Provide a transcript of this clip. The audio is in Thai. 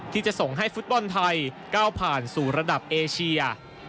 ที่จะส่งให้ฟุตบอลไทยก้าวผ่านสู่ระดับเอเชีย